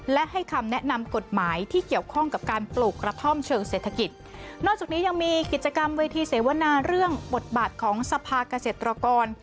และให้คำแนะนำกฎหมายที่เกี่ยวข้องกับการปลูกกระท่อมเชิงเศรษฐกิจนอกจากนี้ยังมีกิจกรรมเวทีเสวนาเรื่องบทบาทของสภาเกษตรกร